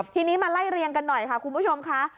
ทีนี้มาไล่เรียงกันหน่อยค่ะคุณผู้ชมค่ะ